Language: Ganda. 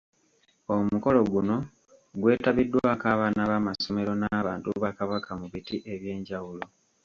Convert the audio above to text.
Omukolo guno gwetabiddwako abaana b’amasomero n’abantu ba Kabaka mu biti ebyenjawulo.